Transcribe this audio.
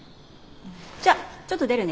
じゃあちょっと出るね。